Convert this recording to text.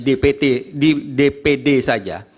dpt di dpd saja